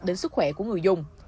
đến sức khỏe của người dùng